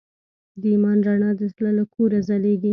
د ایمان رڼا د زړه له کوره ځلېږي.